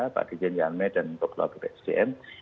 pak dirjen yanmeh dan tok loha bpsjm